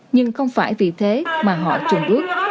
nhưng không phải vì thế mà họ trùng bước